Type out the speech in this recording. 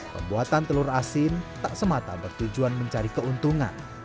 pembuatan telur asin tak semata bertujuan mencari keuntungan